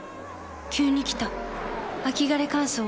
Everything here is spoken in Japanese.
急に来た秋枯れ乾燥。